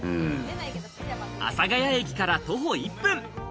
阿佐ヶ谷駅から徒歩１分。